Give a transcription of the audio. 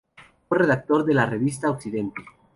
Fue redactor de la "Revista de Occidente".